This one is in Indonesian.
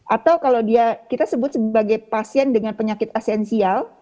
atau kalau dia kita sebut sebagai pasien dengan penyakit esensial